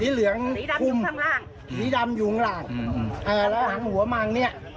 สีเหลืองที่ข้างข้างสีดำอยู่ก็หนัง